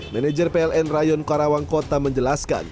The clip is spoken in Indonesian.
manajer pln rayon karawang kota menjelaskan